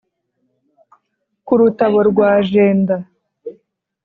ku rutabo rwa jenda